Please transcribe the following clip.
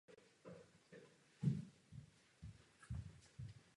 Na rozdíl od sousední stanice Lago však nejsou pozůstatky po ostrovním nástupišti patrné.